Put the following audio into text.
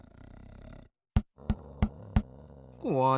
こわい。